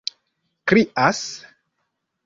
krias